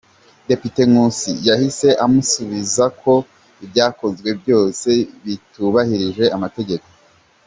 Depite Nkusi yahise amusubiza ko ibyakozwe byose bitubahirije amategeko.